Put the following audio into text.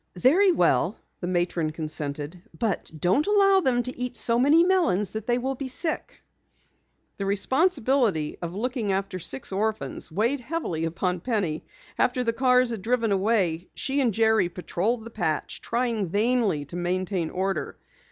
"Very well," the matron consented. "But don't allow them to eat so many melons that they will be sick." The responsibility of looking after six orphans weighed heavily upon Penny. After the cars had driven away, she and Jerry patrolled the patch, trying vainly to maintain order.